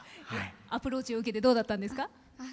アプローチを受けてどうだったんですか？